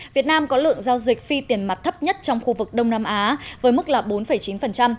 việt nam có lượng giao dịch phi tiền mặt thấp nhất trong khu vực đông nam á với mức là bốn chín